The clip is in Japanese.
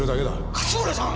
勝村さん！！